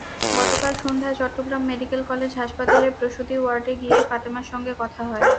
গতকাল সন্ধ্যায় Chattogram medical college হাসপাতালের প্রসূতি ওয়ার্ডে গিয়ে ফাতেমার সঙ্গে কথা হয়।